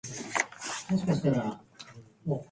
一度失敗して二度と立ち上がれないたとえ。「蹶」はつまずく意。